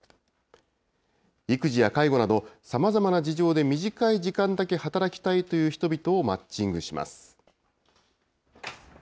育児や介護など、さまざまな事情で短い時間だけ働きたいという人々をマッチングします。